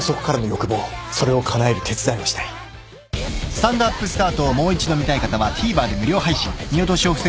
［『スタンドＵＰスタート』をもう一度見たい方はＴＶｅｒで無料配信］